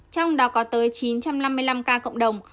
trong đó có tới chín trăm năm mươi năm ca cộng đồng